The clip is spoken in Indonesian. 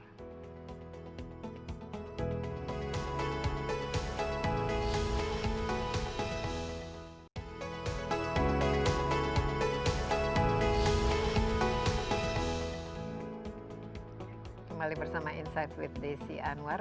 kembali bersama insight with desi anwar